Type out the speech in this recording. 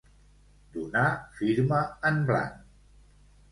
Donar firma en blanc.